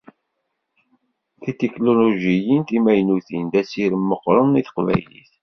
Titiknulujiyin timaynutin, d asirem meqqren i teqbaylit.